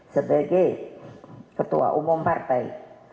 sebagai ketua umum partai